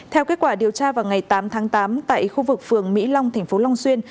theo kết quả điều tra vào ngày tám tháng tám tại khu vực phường mỹ long thành phố long xuyên